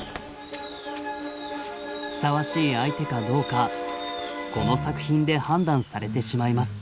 ふさわしい相手かどうかこの作品で判断されてしまいます。